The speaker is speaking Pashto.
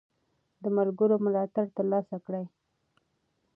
د ملګرو ملاتړ ترلاسه کړئ.